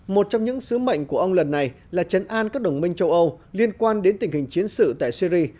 một trong những sứ mệnh của ông lần này là chấn an các đồng minh châu âu liên quan đến tình hình chiến sự tại syri